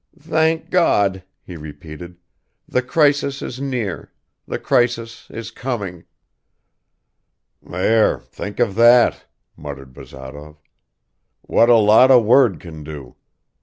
"Thank God!" he repeated, "the crisis is near ... the crisis is coming." "There, think of that!" muttered Bazarov. "What a lot a word can do!